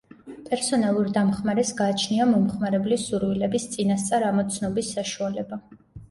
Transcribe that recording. პერსონალურ დამხმარეს გააჩნია მომხმარებლის სურვილების წინასწარ ამოცნობის საშუალება.